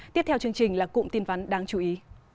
tiếp theo chương trình là cụm tin vắn đáng chú ý